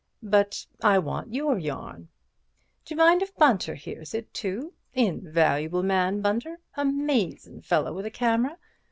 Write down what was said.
But I want your yarn." "D'you mind if Bunter hears it, too? Invaluable man, Bunter—amazin' fellow with a camera.